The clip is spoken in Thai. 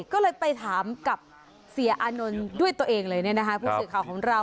ก็เลยไปถามกับเสียอานนท์ด้วยตัวเองเลยผู้สื่อข่าวของเรา